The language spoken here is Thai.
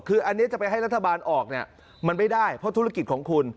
คืออันนี้จะไปให้รัฐบาลออกเนี่ยมันไม่ได้เพราะธุรกิจของคุณ